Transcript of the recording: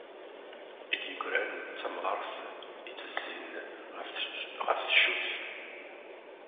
I d-yeggran d tamɣert i ttezzin ɣef teccuyt.